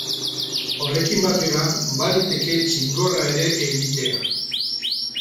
Horrekin batera, baliteke txingorra ere egitea.